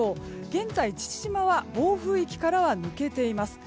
現在、父島は暴風域からは抜けています。